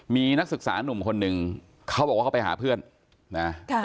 มีนักศึกษานุ่มคนหนึ่งเขาบอกว่าเขาไปหาเพื่อนนะ